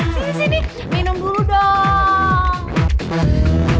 di sini minum dulu dong